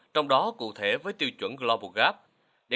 trong đó cụ thể với tiêu chuẩn của nông dân và doanh nghiệp tiêu thụ được